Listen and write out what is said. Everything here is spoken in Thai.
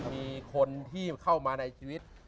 มีคนที่เข้ามาในชีวิต